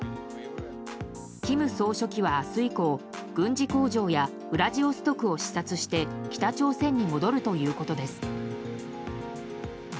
金総書記は明日以降、軍事工場やウラジオストクを視察して北朝鮮に戻るということです。